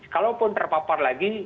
kalaupun terpapar lagi